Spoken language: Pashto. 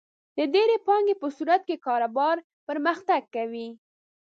د ډېرې پانګې په صورت کې کاروبار پرمختګ کوي.